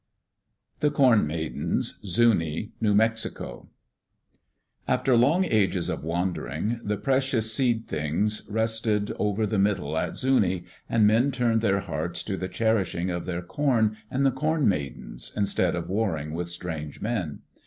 The Corn Maidens Zuni (New Mexico) After long ages of wandering, the precious Seed things rested over the Middle at Zuni, and men turned their hearts to the cherishing of their corn and the Corn Maidens instead of warring with strange men.